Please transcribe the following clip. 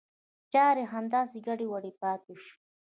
چاري همداسې ګډې وډې پاته شوې.